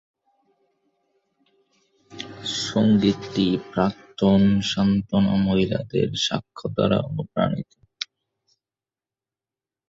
সংগীতটি প্রাক্তন সান্ত্বনা মহিলাদের সাক্ষ্য দ্বারা অনুপ্রাণিত।